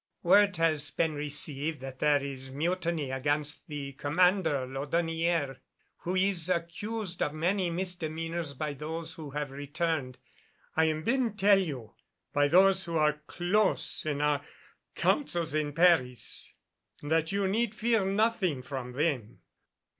"Word has been received that there is mutiny against the Commander Laudonnière, who is accused of many misdemeanors by those who have returned. I am bidden tell you, by those who are close in our councils at Paris, that you need fear nothing from them."